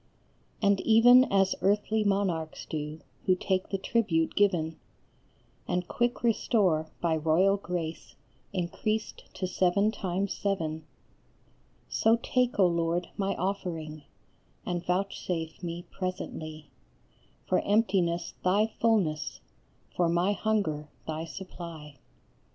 And even as earthly monarchs do, who take the tribute given, And quick restore, by royal grace increased to seven times seven, So take, O Lord, my offering, and vouchsafe me presently, For emptiness thy fulness, for my hunger thy supply.